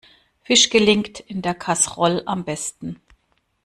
Fisch gelingt in der Kaserolle am besten.